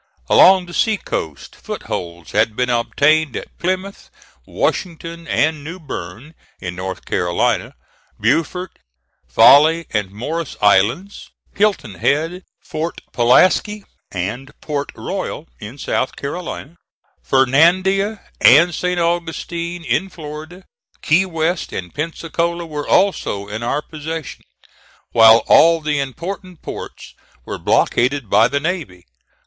Along the sea coast footholds had been obtained at Plymouth, Washington, and New Bern, in North Carolina; Beaufort, Folly and Morris Islands, Hilton Head, Fort Pulaski, and Port Royal, in South Carolina; Fernandina and St. Augustine, in Florida. Key West and Pensacola were also in our possession, while all the important ports were blockaded by the navy.